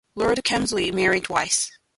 Lord Kemsley married twice.